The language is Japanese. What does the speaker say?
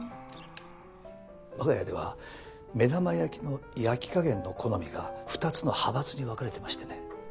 わが家では目玉焼きの焼き加減の好みが２つの派閥に分かれてましてね。